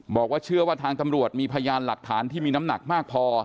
บอกว่าเชื่อว่าทางตำรวจมีพยานหลักฐานที่มีน้ำหนักมากพอ